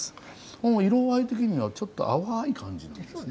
色合い的にはちょっと淡い感じですね。